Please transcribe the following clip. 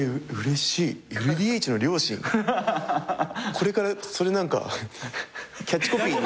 これからそれキャッチコピーに。